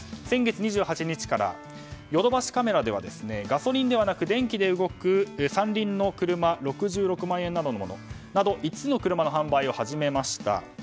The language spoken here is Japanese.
先月２８日からヨドバシカメラではガソリンではなく電気で動く三輪の車６６万円のものなど５つの車の販売を始めました。